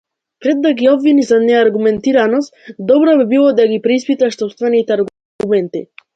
Пред да обвиниш за неаргументираност, добро би било да ги преиспиташ сопствените аргументи.